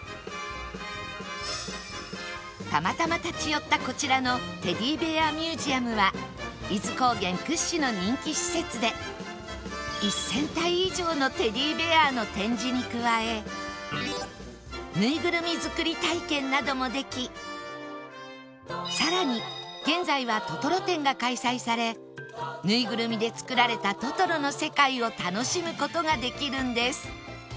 たまたま立ち寄ったこちらのテディベア・ミュージアムは伊豆高原屈指の人気施設で１０００体以上のテディベアの展示に加えぬいぐるみ作り体験などもできさらに現在はトトロ展が開催されぬいぐるみで作られた『トトロ』の世界を楽しむ事ができるんです